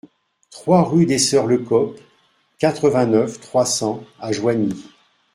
trois rue des Soeurs Lecoq, quatre-vingt-neuf, trois cents à Joigny